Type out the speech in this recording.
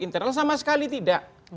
internal sama sekali tidak